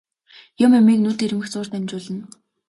Юм юмыг нүд ирмэх зуурт амжуулна.